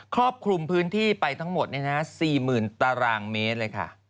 ครอบคลุมพื้นที่ไปทั้งหมดเนี่ยนะสี่หมื่นตารางเมตรเลยค่ะ